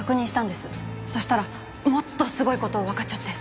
そしたらもっとすごい事わかっちゃって。